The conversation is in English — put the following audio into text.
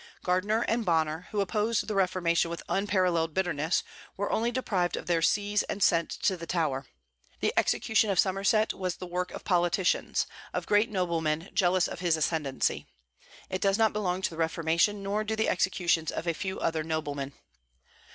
Gardiner and Bonner, who opposed the reformation with unparalleled bitterness were only deprived of their sees and sent to the Tower. The execution of Somerset was the work of politicians, of great noblemen jealous of his ascendency. It does not belong to the reformation, nor do the executions of a few other noblemen.